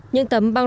những tấm băng